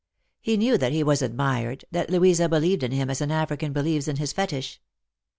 He knew that he was admired, that Louisa believed in him as an African believes in his fetish.